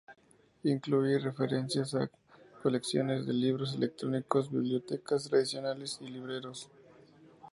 Incluye referencias a colecciones de libros electrónicos, bibliotecas tradicionales y libreros.